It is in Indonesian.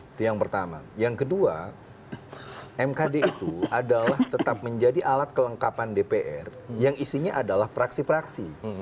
itu yang pertama yang kedua mkd itu adalah tetap menjadi alat kelengkapan dpr yang isinya adalah praksi praksi